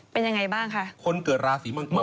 เป็นยังไงบ้างคะ